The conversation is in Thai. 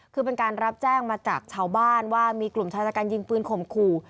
คือเป็นการรับแจ้งมาจากชาวบ้านว่ามีกลุ่มชายจัดการยิงปืนข่มขู่